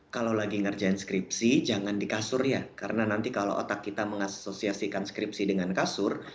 kalau lagi ngerjain skripsi jangan di kasur ya karena nanti kalau otak kita mengasosiasikan skripsi dengan kasur